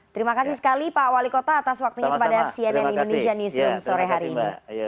terima kasih sekali pak wali kota atas waktunya kepada cnn indonesia newsroom sore hari ini